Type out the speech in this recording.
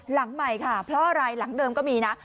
หลังใหม่ค่ะเพราะอะไรหลังเดิมก็มีนะ